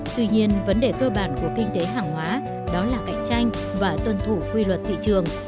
tuy nhiên vấn đề cơ bản của kinh tế hàng hóa đó là cạnh tranh và tuân thủ quy luật thị trường